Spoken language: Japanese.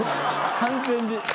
完全に。